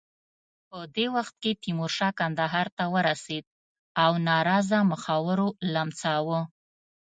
په دې وخت کې تیمورشاه کندهار ته ورسېد او ناراضه مخورو لمساوه.